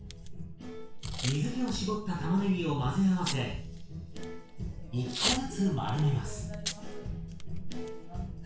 水けを絞ったたまねぎを混ぜ合わせ１個ずつ丸めます。